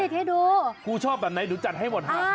ครูชอบแบบไหนหนูจัดให้หมดฮะ